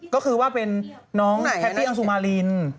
ก็คือว่าเป็นน้องแพตตี้อังสุมาริน